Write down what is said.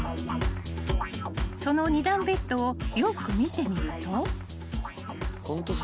［その２段ベッドをよく見てみると］